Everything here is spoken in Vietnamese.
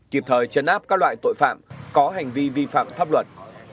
kịp thời chấn áp các loại tội phạm có hành vi vi phạm pháp luật